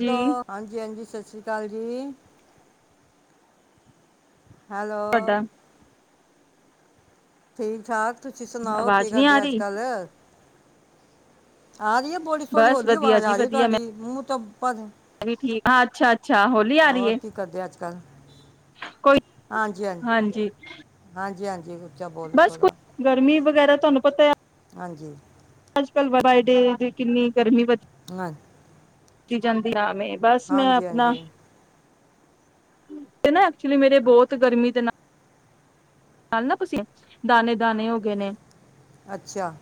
Hello, ਹਾਂਜੀ, ਹਾਂਜੀ, ਸਤਿ ਸ੍ਰੀ ਅਕਾਲ। ਜੀ। ਹੈਲੋ। ਤੁਹਾਡਾ ਠੀਕ ਠਾਕ। ਤੁਸੀਂ ਸੁਨਾਓ ਕੀ ਆਵਾਜ਼ ਨਹੀਂ ਆ ਕਰਦੇ ਅੱਜ ਰਹੀ ਕੱਲ। ਆ ਰਹੀ ਏ। ਬੋੜੀ ਥੋੜੀ ਬਸ ਹੋਲੀ ਵਧੀਆ ਆਵਾਜ਼ ਜੀ ਆ ਰੀ ਏ ਵਧੀਆ ਮੈਂ ਤੁਹਾਡੀ ਮੂ ਤੋਂਬਦ ਠੀਕ ਆ, ਅੱਛਾ ਅ ਅੱਛਾ ਹੋਲੀ ਆ ਰੀ ਹੋਰ ਏ। ਕੀ ਕਰਦੇ ਅੱਜ ਕੱਲ। ਕੋਈ ਹਾਂਜੀ। [unintelligible] ਬਸ ਕੁਛ ਥੋੜਾ ਗਰਮੀ ਬ ਵਗੈਰਾ ਤੁਹਾਨੂੰ ਪਤਾ ਆ। ਹਾਂਜੀ, ਕੱਲ ਬਰਡੇ ਤੇ ਕਿੰਨੀ ਗਰਮੀ ਵ [inaudible] ਕੀ ਜਾਂਦੀ ਆ ਮੈਂ ਬਸ ਮੈਂ ਹਾਂਜੀ ਆਪਣਾ ਹਾਂਜੀ ਤੇ ਨਾ ਐਕਚੁਲੀ ਮੇਰੇ ਬਹੁਤ ਗਰਮੀ ਦੇ ਨਾਲ ਨਾਲ ਨਾ ਤੁਸੀਂ ਦਾਣੇ-ਦਾਣੇ ਹੋ ਗਏ ਨੇ। ਅੱਛਾ,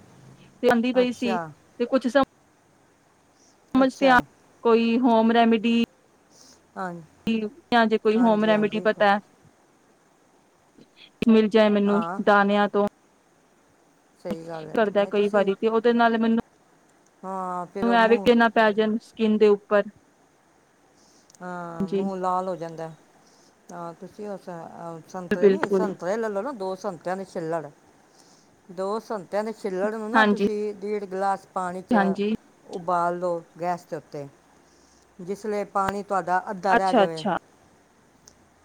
ਤੇ ਆਂਦੀ ਪਈ ਸੀ ਅੱਛਾ ਤੇ ਕੁੱਛ ਸਮ ਸਮਝਦੇ ਆ ਅੱਛਾ ਕੋਈ ਹੋਮ ਰੈਮੇਡੀ ਹਾਂ ਜਾਂ ਜੇ ਕੋਈ ਹੋਮ ਹਾਂਜੀ ਰੈਮੀਡੀ ਹਾਂਜੀ ਪਤਾ ਐ। [unintelligible] ਮਿਲ ਜਾਏ ਮੈਨੂੰ ਹਾਂ ਦਾਣਿਆਂ ਤੋਂ ਸਹੀ ਗੱਲ ਹੈ ਕਰਦਾ ਨਹੀਂ ਕਈ ਤੁਸੀਂ ਵਾਰੀ ਤੇ ਉਹਦੇ ਨਾਲ ਮੈਨੂੰ ਹਾਂ ਫਿਰ ਉਹ ਐ ਵੀ ਮੂੰਹ ਕਿੰਨਾ ਪੈ ਜਾਣ ਸਕਿਨ ਦੇ ਉੱਪ ਪਰ, ਹਾਂ, ਮੂੰਹ ਲਾਲ ਹੋ ਜਾਂਦਾ। [inaudible] ਅਹ ਸੰਤਰੇ ਨੀ ਬਿਲਕੁਲ ਸੰਤਰੇ ਲੈਲੋ ਨਾ ਦੋ ਸੰਤਰਿਆਂ ਦੇ ਛਿੱਲੜ ਦੋ ਸੰਤ ਕਹਿੰਦੇ ਛਿੱਲੜ ਨੂੰ ਨਾ ਹਾਂਜੀ ਤੁਸੀਂ ਦੀੜ ਗਲਾਸ ਪਾਣੀ ਚ ਹਾਂਜੀ ਉਬਾਲ ਦੋ ਗੈਸ ਦੇ ਉੱਤੇ ਜਿਸ ਲਈ ਪਾਣੀ ਤੁਹਾਡਾ ਅੱਧਾ ਰਹਿ ਅੱਛਾ ਜਾਵੇ। ਅੱਛਾ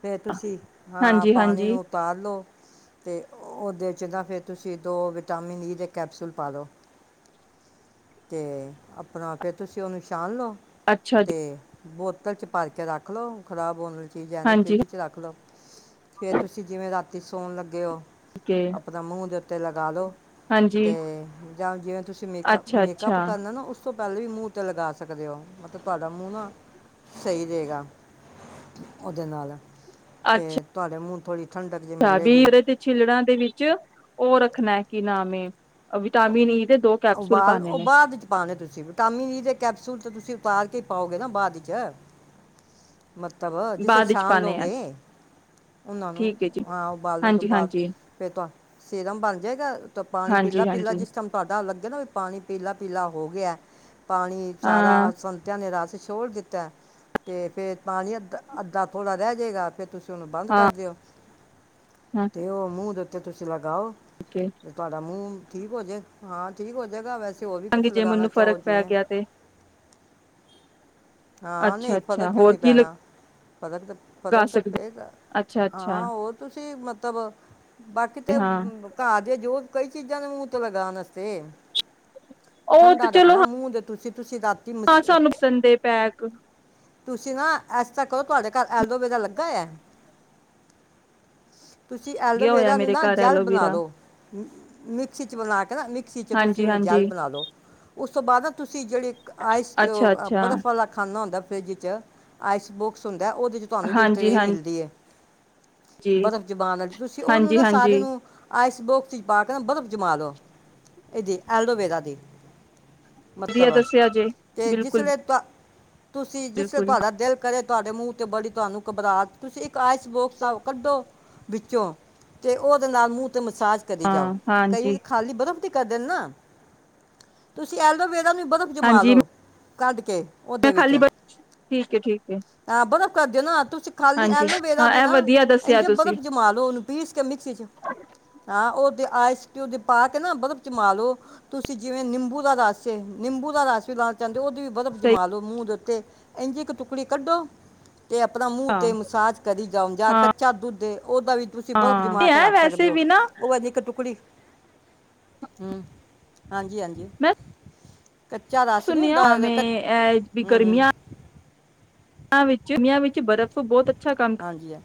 ਫੇਰ ਤੁਸੀਂ ਹਾਂ ਹਾਂਜੀ ਪਾਣੀ ਹਾਂਜੀ ਨੂੰ ਉਤਾਰ ਲਓ। ਤੇ ਉਹਦੇ ਚ ਨਾ ਫਿਰ ਤੁਸੀਂ ਦੋ ਵਿਟਾਮਿਨ ਈ ਦੇ ਕੈਪਸੂਲ ਪਾ ਲਓ ਤੇ ਆਪਣਾ ਫੇਰ ਤੁਸੀਂ ਉਹਨੂੰ ਛਾਣ ਲਓ। ਅੱਛਾ ਜੀ ਤੇ ਬੋਤਲ ਚ ਭਰ ਕੇ ਰੱਖ ਲਓ ਖ਼ਰਾਬ ਹੋਣ ਚੀਜ਼ਾਂ ਨਹੀਂ ਹਾਂਜੀ ਫਰਿਜ ਚ ਰੱਖ ਲਓ। ਫੇਰ ਤੁਸੀਂ ਜਿਵੇਂ ਰਾਤੀ ਸੌਣ ਲੱਗੇ ਹੋ ਓਕੇ ਆਪਣਾ ਮੂੰਹ ਦੇ ਅਤੇ ਲਗਾ ਲਓ ਹਾਂਜੀ ਤੇ ਜਾਂ ਜਿਵੇਂ ਤੁਸੀਂ ਮੇਕ ਅੱਛਾ ਅੱਛਾ ਮੇਕਅੱਪ ਕਰਨਾ ਨਾ ਉਸ ਉਸ ਤੋਂ ਪਹਿਲਾਂ ਵੀ ਮੂੰਹ ਤੇ ਲਗਾ ਸਕਦੇ ਹੋ ਮਤਲਬ ਤੁਹਾਡਾ ਮੂੰਹ ਨਾ ਸਹੀ ਰਹੇਗਾ ਉਹਦੇ ਨਾਲ ਤੇ ਤੁਹਾਡੇ ਮ [unintelligible] ਪੜ੍ਹ ਅੱਛਾ ਵੀ ਇਹਦੇ ਤੇ ਛਿੱਲੜਾਂ ਦੇ ਵਿੱਚ ਹੋਰ [unintelligible] ਰੱਖਣਾ ਕੀ ਨਾਮ ਹੈ [unintelligible] ਉਬਾਲ ਉਹ ਨੇ ਬਾਅਦ ਚ ਪਾਣੇ ਤੁਸੀਂ ਵਿਟਾਮਿਨ ਈ ਦੇ ਕੈਪਸੂਲ ਤੇ ਤੁਸੀਂ ਉਤਾਰ ਕੇ ਪਾਓਗੇ ਨਾ ਬਾਅਦ ਚ ਮਤਲਬ ਜਿਸ ਲੇ ਬਾਅਦ ਵਿੱਚ ਛਾਨ ਪਾਣੇ ਆ ਲੌਗੇ ਉਹਨਾਂ ਨੂੰ ਠੀਕ ਹੈ ਜੀ ਹਾਂ ਉਬਾਲਣ ਤੋਂ ਹਾਂਜੀ ਬਾਅਦ ਹਾਂਜੀ ਫਿਰ ਤੋਂ ਸਿਰਮ ਬਣ ਜਾਏਗਾ ਤਾਂ ਪਾਣੀ ਪੀਲਾ ਹਾਂਜੀ ਪੀਲਾ ਹਾਂਜੀ ਜਿਸ ਟਾਈਮ ਤੁਹਾਡਾ ਅ ਲੱਗਗੇ ਨਾ ਵੀ ਪਾਣੀ [unintelligible] ਪੀਲਾ ਪੀਲਾ ਹੋ ਗਿਆ ਪਾਣੀ ਸਾਰਾ ਹਾਂ ਸੰਤਿਆ ਨਿਰਾਸ਼ [unintelligible] ਛੋੜ ਦਿੱਤਾ ਤੇ ਫੇਰ ਪਾਣੀ ਅੱਧਾ ਅੱਧਾ ਥੋੜ੍ਹਾ ਰਹਿ ਜਾਏਗਾ ਫੇਰ ਤੁਸੀਂ ਨ ਬੰਦ ਹਾਂ ਕਰ ਦਿਓ [unintelligible] ਤੇ ਉਹ ਮੂੰਹ ਦੇ ਅਤੇ ਤੁਸੀਂ ਲਗਾਓ ਹਾਂ [unintelligible] ਤੇ ਤੁਹਾਡਾ ਮੂੰਹ ਠੀਕ ਹੋ ਜਾਏ ਹਾਂ ਠੀਕ ਹੋ ਜਾਏਗਾ ਵੈਸੇ ਹੋਰ ਵੀ ੰਗੀ ਕੁਝ [unintelligible] ਜੇ ਲਗਾਉਣਾ ਮੈਨੂੰ ਚਾਹੋ ਫ਼ਰਕ ਪੈ ਜਿਵੇਂ ਗਿਆ ਤੇ ਹਾਂ ਅੱਛਾ ਨਹੀਂ ਫਰਕ ਅੱਛਾ ਕਿਉਂ ਹੋਰ ਨਹੀਂ ਕੀ ਪੈਣਾ ਲਗਾ ਫਰਕ ਤੇ ਸਕਦੇ ਪਏਗਾ ਅੱਛਾ ਅੱਛਾ ਹਾਂ ਉਹ ਤੁਸੀਂ ਮ ਤਬ [unintelligible] ਬਾਕੀ ਤੇ ਹਾਂ ਘਾਹ ਜੇ ਜੋ [unintelligible] ਕਈ ਚ ਜਾਨ ਮੁ ਤੋਂ ਬਗਾਾ ਨਸਤੇ [unintelligible] ਉਹ ਤੇ ਠੰਡਾ ਚਲੋ ਰੱਖਣਾ ਮੂੰਹ ਦੇ ਤੁਸੀਂ ਤੁਸੀਂ ਰਾਤੀ ਮਸ- ਹਾਂ ਸਾਨੂੰ ਸੰਦੇ ਪੈਕ [unintelligible] ਕੁ [unintelligible] ਤੁਸੀਂ ਨਾ ਇਸ ਤਰ੍ਹਾਂ ਕਰੋ ਤੁਹਾਡੇ ਘਰ ਐਲੋਵੇਰਾ ਲੱਗਾ ਹੋਇਆ ਹੈ ਤੁਸੀਂ ਗਿਆ ਹੋਇਆ ਐਲੋਵੇਰਾ ਨੂੰ ਮੇਰੇ ਨਾ ਘਰ ਜੈਲ ਬਣਾ ਐਲੋਵੀਰਾ ਦਿਉ ਮ ਖਿੱਚ ਬਲਾ ਕੇ [unintelligible] ਮਿਕਸੀ ਚ ਤੁਸੀਂ ਹਾਂਜੀ ਉਹਨੂੰ ਜੈਲ ਹਾਂਜੀ ਬਣਾ ਲੋ ਉਸ ਤੋਂ ਬਾਅਦ ਨਾ ਤੁਸੀਂ ਜਿਹੜੀ ਆਈਸ ਅੱਛਾ ਅੱਛਾ ਬਰਫ਼ ਖਾਨਾ ਹੁੰਦਾ ਫ੍ਰਿੱਜ ਚ ਆਈ ਬੋਕਸ ਹੁੰਦਾ ਉਹਦੇ ਚ ਤੁਹਾਨੂੰ ਜੇੜੀ ਹਾਂਜੀ ਟ੍ਰੇ ਹਾਂਜੀ ਮਿਲਦੀ ਏ ਬਰਫ਼ ਜਮਾਨ ਵਾਲੀ ਤੁਸੀਂ ਉਹਨੂੰ ਹਾਂਜੀ ਨਾ ਸਾਰੇ ਹਾਂਜੀ ਨੂੰ ਆਈਸਬੋਕਸ ਵਿੱਚ ਪਾ ਕੇ ਨਾ ਬਰਫ਼ ਜਮਾ ਲਓ ਇਹਦੀ ਐਲੋਵੇਰਾ ਦੀ ਵਧੀਆ ਮਤਲਬ ਦੱਸਿਆ ਜੇ ਤੇ ਜਿਸ ਬਿਲਕੁਲ ਲੇ ਤਾਂ ਤੁਸੀਂ ਜਿਸੇ ਬਿਲਕੁਲ ਤੁਹਾਡਾ ਦਿਲ ਕਰੇ ਤੁਹਾਡੇ ਮੂੰਹ ਤੇ ਬੜੀ ਤੁਹਾਨੂੰ ਘਬਰਾ ਤੁਸੀਂ ਇੱਕ ਆਈਸ ਬੋਕਸ ਆ ਕੱਢੋ ਵਿੱਚੋਂ ਤੇ ਉਹਦੇ ਨਾਲ ਮੂੰਹ ਤੇ ਮਸਾਜ ਕਰੀ ਜਾਓ ਹਾਂ ਕਈ ਹਾਂਜੀ ਖਾਲੀ ਬਰਫ਼ ਕਰ ਦੇ ਨਾ ਤੁਸੀਂ ਐਲੋ ਇਹ ਬਰਫ਼ ਜਮਾ ਹਾਂਜੀ ਲੋੋ ਕੱਢ ਕੇ ਉਹਦੇ ਮੈਂ ਵਿੱਚ ਖਾਲੀ ਠੀਕ ਏ ਠੀਕ ਏ ਕਰਦੇਓ ਨਾਂ ਖਾਲੀ ਐਲੋਵੇੇਰਾ ਦੀ ਨਾ ਵਧੀਆ ਦੱਸਿਆ ਇੰਝ ਤੁਸੀਂ ਬਰਫ਼ ਜਮਾ ਲੋ ਉਹਨੂੰ ਮਿੱਕਸੀ ਚ ਹਾਂ ਉਹਦੇ ਆਈਸਕਊ ਦੇ ਪਾ ਕੇ ਨਾ ਬਰਫ਼ ਜਮਾ ਲਓ ਤੁਸੀਂ ਜਿਵੇਂ ਨਿੰਬੂ ਦਾ ਰਸ ਨਿੰਬੂ ਦਾ ਰਸ ਵੀ ਲਾਉਣਾ ਚਾਹੁੰਦੇ ਹੋ ਉਹਦੀ ਸਹੀ ਜਮਾ ਲੋ ਮੂੰਹ ਦੇ ਉਤੇ ਇੰਝ ਇੱਕ ਟੁਕੜੀ ਕੱਢੋ ਤੇ ਆਪਣਾ ਮੂੰਹ ਹਾਂ 'ਤੇ ਮਸਾਜ ਕਰੀ ਜਾਓ ਜਾਂ ਹਾਂ ਕੱਚਾ ਦੁੱਧ ਉਹਦਾ ਵੀ ਤੁਸੀਂ ਬਰਫ਼ ਹਾਂ ਜਮਾ ਕੇ ਹੈ ਰੱਖ ਸਕਦੇ ਵੈਸੇ ਹੋ ਵੀ ਨਾ ਉਹ ਹੈਨੀ ਇੱਕ ਟੁਕੜੀ ਹਮ ਹਾਂਜੀ ਹਾਂਜੀ ਮੈਂ ਕੱਚਾ ਰਸ ਨਹੀਂ ਸੁਣਿਆ ਹੁੰਦਾ ਭਾਵੇਂ ਕ ਇਹ ਵੀ ਹੂੰ ਹੂੰ ਗਰਮੀਆਂ [unintelligible] ਵਿੱਚ ਬਰਫ਼ ਬਹੁਤ ਅੱਛਾ ਕੰਮ ਹਾਂਜੀ ਹੈ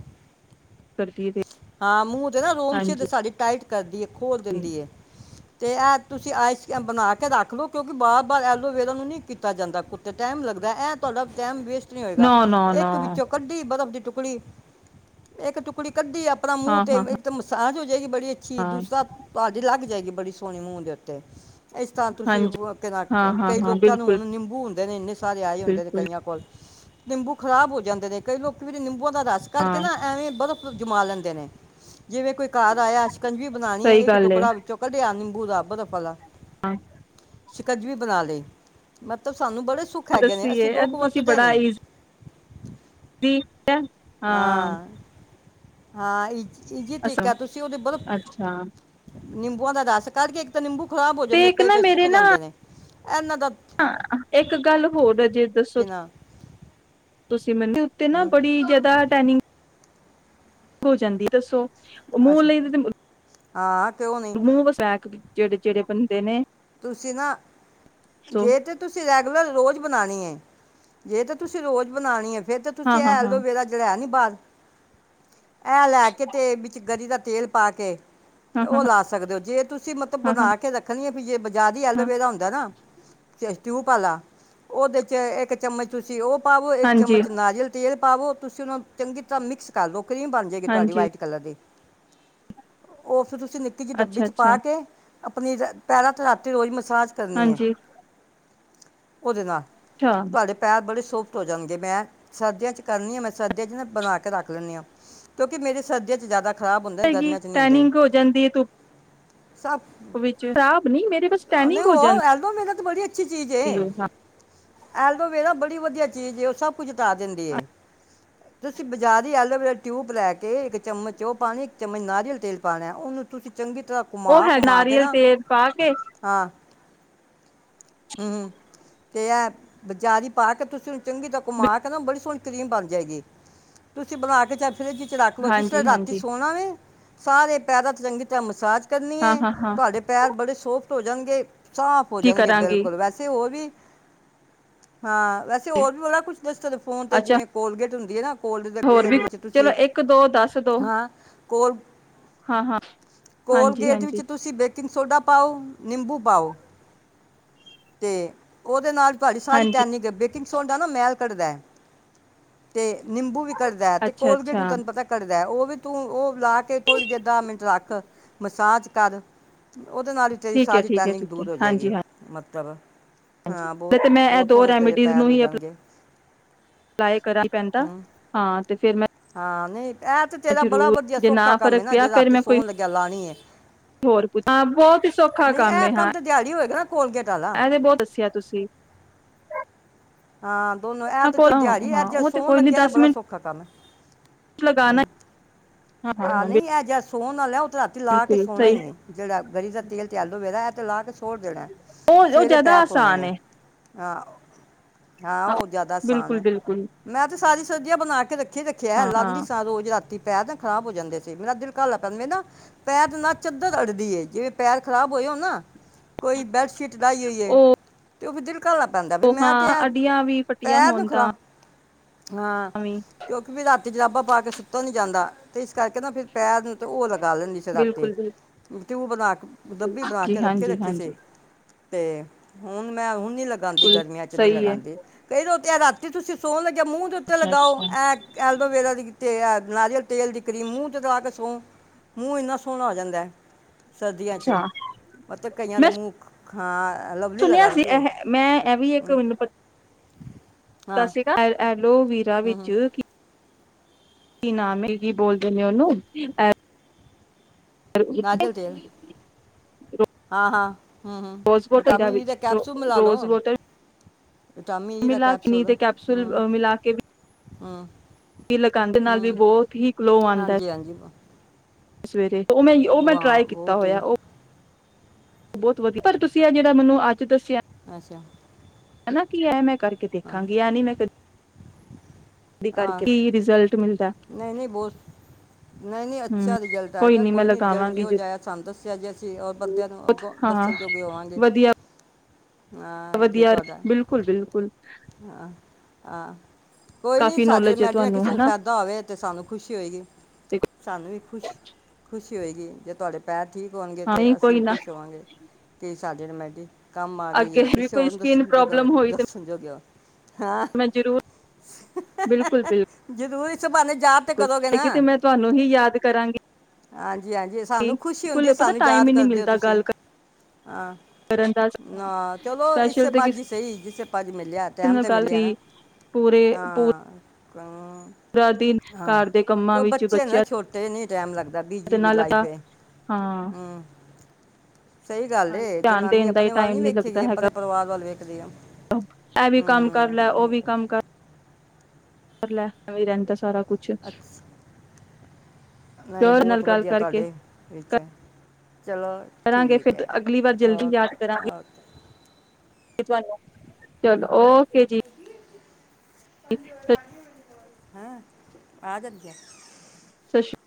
ਕਰਦੀ ਹੈ ਹਾਂ ਮੂੰਹ ਤੇ ਨਾ ਰੋਮ ਹਾਂਜੀ ਛਿਦ੍ਰ ਸਾਡੀ ਟਾਈਟ ਕਰਦੀ ਏ ਖੋਲ ਦਿੰਦੀ ਹੈ ਤੇ ਇਹ ਤੁਸੀਂ ਆਈਸ ਬਣਾ ਕੇ ਰੱਖ ਲਓ ਕਿਉਂਕਿ ਵਾਰ ਵਾਰ ਐਲੋਵੇਰਾ ਨੂੰ ਨਹੀਂ ਕੀਤਾ ਜਾਂਦਾ ਕੁੱਤੇ ਟਾਈਮ ਲੱਗਦਾ ਐਂ ਤੁਹਾਡਾ ਟਾਈਮ ਵੇਸਟ ਨਹੀਂ ਹੋਏਗਾ ਨਾ ਨਾ ਨਾ ਇੱਕ ਵਿੱਚੋਂ ਕੱਢੀ ਬਰਫ਼ ਦੀ ਟੁਕੜੀ ਇੱਕ ਟੁਕੜੀ ਕੱਢੀ ਆਪਣਾ ਮੂੰਹ ਹਾਂ ਤੇ ਹਾਂ ਹਾਂ ਸਾ ਜੋ ਜਏਗੀ ਬੜੀ ਅੱਛੀ ਐ, ਹਾਂ ਦੂਸਰਾ ਤੁਹਾਡੀ ਲੱਗ ਜਏਗੀ ਬੜੀ ਸੋਹਣੀ ਮੂੰਹ ਦੇ ਉੱਤੇ ਇਸ ਤਰ੍ਹਾਂ ਤੁਸੀਂ ਹਾਂਜੀ ਕਹ ਨਾ ਹਾਂ ਹਾਂ ਕਈ ਹਾਂ ਲੋਕਾਂ ਨੂੰ ਬਿਲਕੁਲ ਹੁਣ ਨਿੰਬੂ ਇਨੇ ਸਾਰੇ ਆਏ ਹੁੰਦੇ ਬਿਲਕੁਲ ਕਈਆਂ ਕੋਲ ਨਿੰਬੂ ਖ਼ਰਾਬ ਹੋ ਜਾਂਦੇ ਨੇ ਕਈ ਲੋਕ ਵੀ ਨਿੰਬ ਬੂ ਦਾ ਰਸ ਕਰੱਢ ਕੇ ਹਾਂ ਨਾ ਐਵੇਂ ਬਰਫ਼ ਜਮਾਂ ਲੈਂਦੇ ਨੇ ਜਿਵੇਂ ਕੋਈ ਘਰ ਆਇਆ ਸ਼ਕੰਜਵੀ ਬਣਾਣੀ ਐ, ਸਹੀ ਇੱਕ ਗੱਲ ਏ ਟੁਕੜਾ ਵਿੱਚੋਂ ਕੱਢਿਆ ਨਿੰਬ ਬੂ ਦਾ ਬਰਫ਼ ਆਲਾ [unintelligible] ਸ਼ਿਕੰਜਵੀ ਬਣਾ ਲੀ ਮਤਬ ਸਾਨੂੰ ਬੜੇ ਸੁੱਖ ਹੈਗੇ ਨੇਂ, ਅਸੀਂ ਦੱਸੀਏ ਲੋਕ ਤੁਸੀਂ ਵਰਤਦੇ ਬੜਾ ਨੀਂ। [unintelligible] ਹਾਂ ਹਾਂ ਇਜ ਇ ਤਿ੍ਕ ਅੱਛਾ ਐ ਤੁਸੀਂ ਉਹਦੇ ਬਰਫ ਅੱਛਾ ਨਿੰਬੂਆਂ ਦਾ ਰਸ ਕੱਢ ਕੇ ਇੱਕ ਤਾਂ ਨਿੰਬੂ ਖ਼ਰਾਬ ਹੋ ਜਾਂਦੇ ਪਏ ਪਏ ਸੁੱਕ ਜਾਂਦੇ ਨੇਂ। ਹਾਂ, ਇੱਕ ਗੱਲ ਹੋਰ ਹੈ ਜੇ ਦੱਸੋ ਕਿਨਾ ਤੁਸੀਂ ਤੇ ਮੈਂਨੂੰ, ਉੱਤੇ ਨਾ ਹੂੰ ਬੜੀ ਜਿਆਦਾ ਟੈਨਿੰਗ ਹੋ ਜਾਂਦੀ ਦੱਸੋ। ਮੂਲੀ ਦੀ ਆ ਮੂੰਹ ਵਸ ਏ ਜਿਹੜੇ ਜਿਹੜੇ ਪਨ ਤੇ ਨੇੇ ਤੁਸੀਂ ਨਾ ਜੇ ਤੇ ਤੁਸੀਂ ਰੈਗੂਲਰ ਰੋਜ਼ ਬਣਾਣੀ ਐ। ਜੇ ਤਾਂ ਤੁਸੀਂ ਰੋਜ਼ ਬਣਾਣੀ ਐ ਫੇਰ ਤਾਂ ਹਾਂ ਤੁਸੀਂ ਹਾਂ ਹਾਂ ਏਲੋਵੇਰਾ ਜਿਹੜਾ ਹੈ ਨੀਂ ਬਾਰ ਇਹ ਲੈ ਕੇ ਤੇ ਵਿੱਚ ਗਰੀ ਦਾ ਤੇਲ ਪਾ ਕੇ ਹਾਂ ਹਾਂ ਉਹ ਲਾ ਸਕਦੇ ਹੋ ਜੇ ਤੁਸੀਂ ਮਤਲਬ ਹਾਂ ਹਾਂ ਬਣਾ ਕੇ ਰੱਖ ਪਾਨੀ ਏ ਜੇ ਬਜ਼ਾਰੋਂ ਹਾਂ ਐਲੋਵੇਰਾ ਹੁੰਦਾ ਨਾ ਤਿਊਹ ਪਾ ਲਾ ਉਹਦੇ ਚ ਇੱਕ ਚਮਚ ਤੁਸੀਂ ਉਹ ਪਾਵੋ ਇੱਕ ਹਾਂਜੀ ਚਮਚ ਨਾਰੀਅਲ ਤੇਲ ਪਾਵੋ ਤੁਸੀਂ ਉਹਨੂੰ ਚੰਗੀ ਤਰ੍ਹਾਂ ਮਿਕਸ ਕਰ ਦੋ ਕਰੀਮ ਬਣ ਜਾਏਗੀ ਤੁਹਾਡੀ ਹਾਂਜੀ ਵਾਈਟ ਕਲਰ ਦੀ ਉਹ ਫਿਰ ਤੁਸੀਂ ਨਿੱਕੀ ਜਿਹੀ ਡੱਬੀ ਅੱਛਾ ਚ ਪਾ ਅੱਛਾ ਕੇ ਆਪਣੀ ਪਹਿਰਾਂ ਰਾਤੀ ਰੋਜ਼ ਮ ਮਸਾਜ ਕਰਨੀ ਹੈ ਹਾਂਜੀ ਉਹਦੇ ਨਾਲ ਅੱਛਾ ਤੁਹਾਡੇ ਪੈਰ ਬੜੇ ਸੋਫਟ ਹੋ ਜਾਣਗੇ ਮੈਂ ਸਰਦੀਆਂ ਚ ਕਰਨੀ ਆ ਮੈਂ ਸਰਦੀਆਂ ਚ ਨਾ ਬਣਾ ਕੇ ਰੱਖ ਲੈਦੀ ਹਾਂ ਕਿਉਂਕਿ ਮੇਰੇ ਸਰਦੀਆਂ ਚ ਜ਼ਿਆਦਾ ਖਰਾਬ ਹੁੰਦੇ ਏਨੀ ਗਰਮੀਆਂ 'ਚ ਨਹੀਂ ਹੁੰਦੇ ਟੈਨਿੰਗ ਹੋ ਜਾਂਦੀ ਹੈ ਸਭ ਵਿੱਚ ਸ ਨਹੀਂ ਮੇਰੇ ਬਸ ਨਹੀਂ ਟੈਨਿੰਗ ਹੋ ਜਾਂਦੀ ਉਹ ਤਾਂ ਐਲੋਵੇਰਾ ਬੜੀਆ ਅੱਛੀ ਚੀਜ਼ ਏ ਹਾਂ ਐਲੋਵੇਰਾ ਬੜੀ ਵਧੀਆ ਚੀਜ਼ ਉਹ ਸਭ ਕੁਝ ਉਤਾਰ ਦਿੰਦੀ ਤੁਸੀਂ ਬਾਜ਼ਾਰ ਐਲੋਵੇਰਾ ਟਿਊਬ ਲੈ ਕੇ ਇੱਕ ਚਮਚ ਉਹ ਪਾਉਣੀ ਇੱਕ ਚਮਚ ਨਾਰੀਅਲ ਤੇਲ ਪਾਉਣਾ ਉਹਨੂੰ ਤੁਸੀਂ ਚੰਗੀ ਤਰ੍ਹਾਂ ਉਹ ਘੁਮਾ ਹੈ ਘੁਮਾ ਕੇ ਨਾਰੀਅਲ ਨਾ ਤੇਲ ਪਾ ਕੇ ਹਾਂ ਹਮ ਤੇ ਹੈ ਬਜ਼ਾਰੀ ਪਾ ਕੇ ਤੁਸੀਂੁ ਚੰਗੀ ਤ ਘੁਮਾ ਕੇ ਨਾ ਬੜੀ ਸੋਹਣੀ ਕਰੀਮ ਬਣ ਜਾਏਗੀ ਤੁਸੀਂ ਬੁਲਾ ਕੇ ਚ ਫਰਿੱਜ ਚ ਰੱਖ ਲਓ ਜੀਸ ਵੇਲੇ ਹਾਂਜੀ ਰਾਤੀ ਹਾਂਜੀ ਸੋਣਾ ਵ ਸਾਰੇ ਪੈਰਾ ਤੇ ਚੰਗੀ ਤਰ੍ਹਾਂ ਮਸਾਜ ਕਰਨੀ ਹਾਂ ਹੈ ਹਾਂ ਹਾਂ ਤੁਹਾਡੇ ਪੈਰ ਬੜੇ ਸੋਹਣੇ ਸੋਫਟ ਹੋ ਜਾਣਗੇ ਸਾਫ਼ ਹੋ ਕੀ ਜਾਣਗੇ ਕਰਾਂਗੀ ਬਿਲਕੁਲ ਵੈਸੇ ਹੋਰ ਵੀ ਹਾਂ ਵੈਸੇ ਹੋਰ ਵੀ ਬੜਾ ਕੁਛ ਦੱਸ ਫੋਨ ਤੇ ਅੱਛਾ ਜਿਵੇਂ ਕੋਲਗੇਟ ਹੁੰਦੀ ਹੈ ਨਾ ਕੋਲਗੇਟ ਦੇ ਹੋਰ ਕੇੇਡ ਵੀ ਵਿੱਚ ਚਲੋ ਤੁਸੀਂ ਇੱਕ ਦੋ ਦੱਸ ਦੋ ਹੈਾਂ ਕੋਲ ਹਾਂ ਹਾਂ ਹਾਂਜੀ ਕੋਲਗੇਟ ਵਿੱਚ ਹਾਂਜੀ ਤੁਸੀਂ ਬੇਕਿੰਗ ਸੋਡਾ ਨਿੰਬੂ ਪਾਓ, ਤੇ ਉਹਦੇ ਨਾਲ ਤੁਹਾਡੀ ਸਾਰੀ ਹਾਂਜੀ ਟੈਨਿਕ, ਬੇਕਿੰਗ ਸੋਡਾ ਨਾ ਮਹਿਲ ਕੱਢਦਾ ਹੈ। ਤੇ ਨਿੰਬੂ ਵੀ ਘੱਡਦਾ ਹੈ, ਤੇ ਅੱਛਾ ਕੋਲਗੇਟ ਵੀ ਅੱਛਾ ਤੁਹਾਨੂੰ ਪਤਾ ਘੱਡਦਾ ਹੈ, ਉਹ ਵੀ ਤੂੰ ਉਹ ਲਾ ਕੇ ਥੋੜ੍ਹੀ ਦੇਰ, ਦਸ ਮਿੰਟ ਰੱਖ, ਮਸਾਜ ਕਰ। ਉਹਦੇ ਨਾਲ ਹੀ ਤੇਰੀ ਠੀਕ ਹੈ ਸਾਰੀ ਠੀਕ ਹੈ ਪੈਨਿਕ ਠੀਕ ਹੈ ਦੂਰ ਹੋ ਜਾਏਗੀ, ਹਾਂਜੀ ਹਾਂ ਮਤ ਤਬ [unintelligible] ਹਾਂਜੀ ਹਾਂ ਬਹੁਤ ਤੇ ਮੈਂ ਇਹ ਬਹੁਤ ਸੋਹਣੇ ਤੇਰੇ ਪੈਰ ਹੋ ਜਾਣਗੇ। ਸਿਲਾਈ ਕਰ ਪੈਂਦਾ, ਹਮ, ਹਾਂ ਤੇ ਫਿਰ ਮੈਂ ਹਾਂ ਨਹੀਂ ਇਹ ਤੇ ਤੇਰਾ ਬੜਾ ਜ਼ਰੂਰ ਵਧੀਆ ਜੇ ਸੌਖਾ ਕੰਮ ਫ਼ਰਕ ਹੈ ਨਾ, ਪਿਆ ਜੇ ਫੇਰ ਰਾਤੀ ਮੈਂ ਕੋਈ ਸੌਣ ਲੱਗਿਆ ਲਉਣੀ ਹੈ। ਹੋਰ ਕੁੱਛ ਹਾਂ ਬਹੁਤ ਹੀ ਸੌਖਾ ਨਹੀਂ ਕੰਮ ਇਹ ਐ, ਹਾ ਤੇ ਦਿਹਾੜੀ ਹੋਏਗਾ ਨਾ ਕੋਲਗੇਟ ਵਾਲਾ ਇਹ ਤੇ ਬਹੁਤ ਦੱਸਿਆ ਤੁਸੀਂ। ਹਾਂ ਦੋਨੋ ਇਹ ਹਾਂ ਤੇ ਕੋਲ ਚਲ ਦਿਹਾੜੀ ਇਹ ਹਾਂ ਜਿਹਾ ਉਹ ਤੇ ਸੋਹਣ ਕੋਈ ਨੀ ਲੱਗਿਆ ਦਸ ਬੜਾ ਮਿੰਟ ਸੌਖਾ ਕੰਮ ਐ, ਲਗਾਣਾ ਹਾਂ ਹਾਂ ਆਹ ਹਾਂ ਨਹੀਂ ਇਹ ਜਿਹਾ ਫੋਨ ਨਾ ਲੈਆਓ ਰਾਤੀ ਲਾ ਕੇ ਬਿਲਕੁਲ ਸੋਣਾ ਸਹੀ ਹੀ ਏ ਜਿਹੜਾ ਗਰੀ ਦਾ ਤੇਲ ਤੇ ਅਲੋਵੀਰਾ ਹੈ, ਐ ਤੇ ਲਾ ਕੇ ਸੁਤੇ। ਛੋੜ ਦੇਣਾ, ਉਹ ਉਹ ਸਵੇਰੇ ਜ਼ਿਆਦਾ ਪੈਰ ਧੋਣੇ ਆਸਾਨ ਨੇ। ਹੈ ਆਹ ਹਾਂ ਔ ਜ਼ਿਆਦਾ ਆਸਾਨ ਬਿਲਕੁਲ ਏ, ਬਿਲਕੁਲ ਮੈਂ ਤੇ ਸਾਰੀ ਸਰਦੀਆਂ ਬਣਾ ਕੇ ਰੱਖੀ ਰੱਖਿਆ, ਹਾਂ ਲਾਦੀ ਹਾਂ ਸਾਂ ਰੋਜ਼ ਰਾਤੀ, ਪੈ ਖ਼ਰਾਬ ਹੋ ਜਾਂਦੇ ਸੀ, ਮੇਰਾ ਦਿਲ ਕਾਹਲਾ ਪੈਨੰਦਾ, ਮੇਰੇ ਨਾ ਪੈਰ ਨਾ ਚੱਦਰ ਅੜਦੀ ਏ, ਜਿਵੇਂ ਪੈਰ ਖ਼ਰਾਬ ਹੋਏ ਹੋਣ ਨਾ। ਕੋਈ ਬੈੱਡਸ਼ੀਟ ਡਾਈ ਹੋਇ ਹੈ। ਉਹ ਤੇ ਔ ਵੀ ਦਿਲ। ਘਾਲਾ ਪੈਂਦਾ ਬੀ, ਮੈਂ ਤੇ ਐ ਅੜੀਆਂ ਵੀ ਫੱਟੀਆਂ ਹੋਣ ਤਾਂ ਹਾਂ, ਵੀ ਕਿਉਂਕਿ ਵੀ ਰਾਤੀ ਜਰਾਬਾ ਪਾ ਕੇ ਸੁੱਤਾ ਨੀ ਜਾਂਦਾ। ਤੇ, [unintelligible] ਕਰਕੇ ਨਾ ਫਿਰ ਪੈਰ ਨੂੰ ਤਾਂ ਔ, ਲਗਾ ਲੈਂਦੀ ਸਾਂ ਰਾਤੀ। ਬਿਲਕੁਲ ਬਿਲਕੁਲ ਤਯੁਬ ਨਾਲ ਜੀ ਹਾਂਜੀ-ਹਾਂਜੀ, ਤੇ ਹੁਣ ਮੈਂ ਹੁਣ ਨੀ ਲਗਾਦੀ ਬਿਲਕੁਲ ਗਰਮੀਆਂ ਚ ਨ ਨਹੀਂ ਸਹੀ ਹੈ ਲਗਾਦੀ। ਕਈ ਦੋ ਤੇ ਰਾਤੀ ਤੁਸੀਂ ਸੋਣ ਲੱਗੇ, ਮੂੰਹ ਦੇ ਉੱਤੇ ਅੱਛਾ ਲਗਾਓ ਅੱਛਾ ਇਹ ਐਲਡੋਵੇਰਾ ਦੇਤੇ ਐ। ਨਾਰੀਅਲ ਤੇਲ ਦੀ ਕਰੀਮ ਮੂੰਹ ਤੇ ਲਾ ਕੇ ਸੋ ਮੂੰਹ ਇੰਨਾ ਸੋਹਣਾ ਹੋ ਜਾਂਦਾ ਹੈ। ਸਰਦੀਆਂ ਚ ਅੱਛਾ ਮਤਲਬ ਕਈਆਂ ਦੇ ਮੈਂ ਮੂੰਹ, ਹਾਂ, ਲਵਲੀ ਸੁਣਿਆ ਸੀ ਲਗਾਉਂਦੀ ਹੈ ਇਹ ਮੈਂ ਇਹ ਵੀ ਇੱਕ ਹਮ, ਮੈਨੂੰ ਪ ਸਤਿ ਹਾਂ ਸ੍ਰੀ ਅਕਾਲ, ਲੋ ਵੀਰਾ ਹਮ ਵਿੱਚ ਹਮ, ਕੀ ਕੀ ਨਾਮ ਨਾਮ ਕੀ ਬੋਲਦੇ ਨੇ ਉਹਨੂੰ ਨਾਰੀਅਲ ਤੇਲ [unintelligible] ਹਾਂ ਹਾਂ ਹੂੰ ਹੂੰ ਰੋਜ਼ ਵਾਟਰ ਵਿਟਾਮਿਨ ਈ ਦੇ ਵਿੱਚ ਕੈਪਸੂਲ ਮਿਲਾ ਰੋਜ਼ ਲਓ। ਵਾਟਰ ਵਿਟਾਮਿਨ ਈ ਦਾ ਮਿਲਾ ਨੀ ਤੇ ਕੈਪਸੂਲ ਮਿਲਾ ਕੇ ਹਾਂ ਲਗਾਦੇ ਨਾਲ ਵੀ ਬਹੁਤ ਹੀ ਗਲੋ ਆਦਾ ਐ। ਹਾਂਜੀ ਹਾਂਜੀ ਸਵੇਰੇ ਉਹ ਮੈਂ ਉਹ ਮੈਂ ਵਾਹ ਟਰਾਈ ਕੀਤਾ ਬਹੁਤ ਹੋਇਆ ਹੀ ਉਹ ਬਹੁਤ ਵਧੀਆ ਪਰ ਤੁਸੀਂ ਆ ਜਿਹੜਾ ਮੈਨੂੰ ਅੱਜ ਦੱਸਿਆ। ਅੱਛਾ ਹਨਾ ਕੀ ਹੈ ਮੈਂ ਕਰਕੇ ਹਾਂ ਦੇਖਾਗੀ ਆ ਨੀ ਮੈਂ ਕਦੇ ਕਰਕੇ ਕੀ ਰਿਜ਼ਲਟ ਮਿਲਦਾ। ਨਹੀਂ-ਨਹੀਂ, ਬਹੁਤ ਨਹੀਂ-ਨਹੀਂ ਹੂੰ ਅੱਛਾ ਰਿਜ਼ਲਟ ਹੈਏਗਾ, ਨੀ ਮੈਂ ਕੋਈ ਨਹੀਂ ਰਿਜਲਟ ਜੇ ਲਗਾਵਾਂਗੀ ਉਹ ਜਾਇਆ ਸਾਨੂੰ ਦੱਸਿਆ ਜੇ ਅਸੀਂ ਹੋਰ ਜ਼ਰੂਰ ਬੰਦਿਆਂ ਨੂੰ ਅੱਗੋਂ ਹਾਂ ਦੱਸਣ ਜੋਗੇ ਹੋਵਾਂਗੇ, ਵਧੀਆ ਹਾਂ ਜੇ ਵਧੀਆ ਤੁਹਾਡਾ ਬਿਲਕੁਲ ਬਿਲਕੁਲ ਹਾਂ। ਆ ਕਾਫ਼ੀ ਨੌਲੇਜ ਹੈ ਤੁਹਾਨੂੰ ਹਨਾ। ਆਵੇ ਤੇ ਸਾਨੂੰ ਖੁਸ਼ੀ ਹੋਏਗੀ, ਤੇ ਸਾਨੂੰ ਵੀ ਖੁਸ਼ ਖੁਸ਼ੀ ਹੋਏਗੀ। ਜੀ ਜੇ ਤੁਹਾਡੇ ਪੈਰ ਠੀਕ ਹੋਣਗੇ ਹਾਂ ਤੇ ਨਹੀਂ ਅਸੀਂ ਕੋਈ ਵੀ ਨਾ ਖੁਸ਼ ਹੋਵਾਂਗੇ ਕਿ ਚਜਣ ਮੈਂਡੀ ਕੰਮ ਆ ਗਈ ਅੱਗੇ ਹੈ ਵੀ ਕਿਸੇ ਕੋਈ ਹੋਰ ਨੂੰ ਸਕਿਨ ਦ ਪ੍ਰੋਬਲਮ ਹੋਈ ਤੇ ਦੋਗ ਹੋ ਹਾਂ ਮੈਂ ਜ਼ਰੂਰ ਬਿਲਕੁਲ ਜਦੋਂ ਇਸੇ ਬਹਾਨੇ ਯਾਦ ਤੇ ਬਿਲਕੁਲ ਕਰੋਗੇ ਨਾ ਕਿਤੇ ਮੈਂ ਤੁਹਾਨੂੰ ਹੀ ਯਾਦ ਕਰਾਂਗੀ ਹਾਂਜੀ ਹਾਂਜੀ ਸਾਨੂੰ ਖੁਸ਼ੀ ਹੁੰਦੀ ਬਿਲਕੁਲ ਪਤਾ ਸਾਨੂੰ ਟਾਈਮ ਯਾਦ ਹੀ ਨਹੀਂ ਕਰਦੇਓ ਮਿਲਦਾ ਤੁਸੀਂ ਗੱਲ ਹਾਂ ਕਰਨ ਦਾ ਨਾ ਚਲੋ ਇਸੇ ਸਪੈਸ਼ਲ ਤੇ ਭਾਜੀ ਕਿਸੇ ਸਹੀ ਜਿਸੇ ਭਾਜੀ ਮਿਲਿਆ ਟੈਮ ਨਾਲ ਤੇ ਗੱਲ ਮਿਲਿਆ ਸੀ ਨਾ ਪੂਰੇ ਪੂ ਹਾਂ ਕ ਪੂਰਾ ਦਿਨ ਹਾਂ ਘਰ ਦੇ ਕੰਮਾਂ ਕੋ ਵਿੱਚ ਬੱਚੇ ਨਾ ਬੱਚਿਆ ਛੋਟੇ ਨਹੀਂ ਟਾਈਮ ਲੱਦਾ ਲਾਈਫ ਵੀ ਬਹੁਤ ਬਿਜ਼ੀ ਹਾਂ ਸਹੀ ਗੱਲ ਧਿਆਨ ਜਨਾਨੀ ਦੇਣ ਦਾ ਹੀ ਆਪਣੇ ਵੱਲ ਨੀ ਟਾਈਮ ਵੇਖੇਗੀ ਲੱਗਦਾ ਆਪਣੇ ਹੈਗਾ। ਪਰਿਵਾਰ ਵੱਲ ਵੇਖਦੀ ਆ ਇਹ ਵੀ ਕੰਮ ਕਰ ਹਮ ਲੈ ਉਹ ਨਹੀਂ ਕੰਮ ਵੀ ਰਹਿੰਦਾ ਸਾਰਾ ਕੁਛ ਅੱਛ ਨਹੀਂ ਪਿਓਰ ਨਾਲ ਬਹੁਤ ਗੱਲ ਵਧੀਆ ਕਰਕੇ ਤੁਹਾਡੇ ਵਿੱਚ ਚਲੋ ਕਰਾਂਗੇ ਠੀਕ ਫਿਰ ਹੈ ਅਗਲੀ ਵਾਰ ਜਲਦੀ ਯਾਦ ਓਕੇ ਕਰਾਂਗੇ ਓਕੇ ਤੁਹਾਨੂੰ ਚਲੋ ਓਕੇ ਜੀ ਸਤਿ ਹੈਂ ਆ ਜਾਂਦ ਗਿਆ ਸਤਿ ਸ੍ਰੀ ਅਕਾਲ